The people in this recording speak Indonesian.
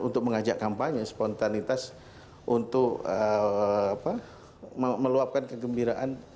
untuk mengajak kampanye spontanitas untuk meluapkan kegembiraan